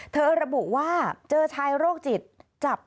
ระบุว่าเจอชายโรคจิตจับ